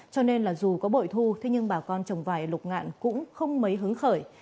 cho nên dù có bội thu nhưng bà con trồng vải ở lục ngạn cũng không mấy hứng khởi